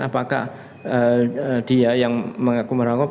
apakah dia yang mengaku merangkul